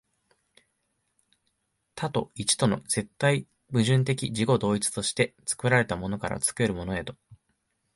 多と一との絶対矛盾的自己同一として、作られたものから作るものへと、